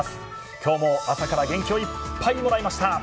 今日も朝から元気をいっぱいもらいました。